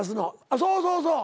あっそうそうそう。